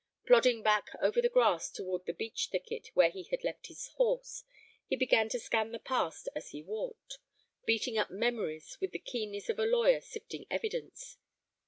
Plodding back over the grass toward the beech thicket where he had left his horse, he began to scan the past as he walked, beating up memories with the keenness of a lawyer sifting evidence.